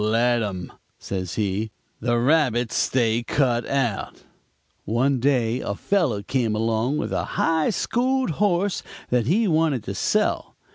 "'Let him,' says he; 'the rabbits stay cut out.' "One day a fellow came along with a high schooled horse that he wanted to sell.